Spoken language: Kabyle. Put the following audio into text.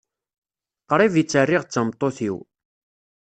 Qrib i tt-rriɣ d tameṭṭut-iw.